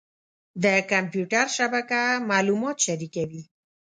د کمپیوټر شبکه معلومات شریکوي.